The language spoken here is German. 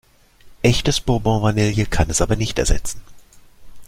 Echtes Bourbon-Vanille kann es aber nicht ersetzen.